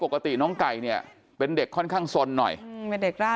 ปกติน้องไก่เนี่ยเป็นเด็กค่อนข้างสนหน่อยอืมเป็นเด็กร่า